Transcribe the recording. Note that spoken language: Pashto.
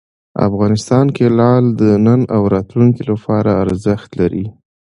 افغانستان کې لعل د نن او راتلونکي لپاره ارزښت لري.